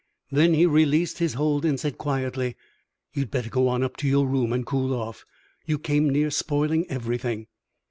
Then he released his hold and said, quietly: "You'd better go up to your room and cool off. You came near spoiling everything."